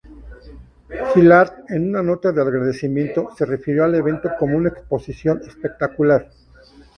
Gillard en una nota de agradecimiento, se refirió al evento como una exposición espectacular.